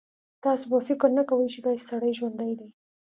تاسو به فکر نه کوئ چې داسې سړی ژوندی دی.